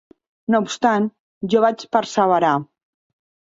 No obstant, jo vaig perseverar.